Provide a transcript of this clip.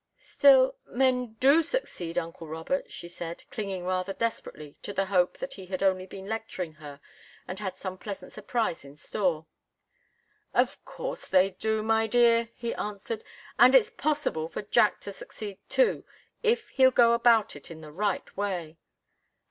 "Still men do succeed, uncle Robert," she said, clinging rather desperately to the hope that he had only been lecturing her and had some pleasant surprise in store. "Of course they do, my dear," he answered. "And it's possible for Jack to succeed, too, if he'll go about it in the right way."